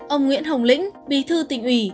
ông nguyễn hồng lĩnh bí thư tỉnh ủy